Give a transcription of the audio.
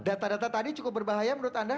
data data tadi cukup berbahaya menurut anda